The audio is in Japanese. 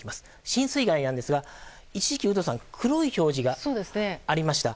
浸水害ですが、一時期、有働さん黒い表示がありました。